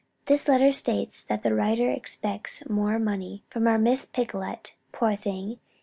"This letter states that the writer expects more money from our Miss Picolet poor thing!